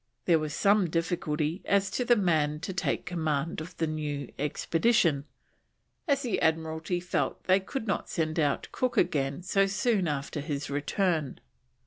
There was some difficulty as to the man to take command of the new expedition, as the Admiralty felt they could not send out Cook again so soon after his return.